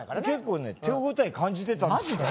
結構ね手応え感じてたんです。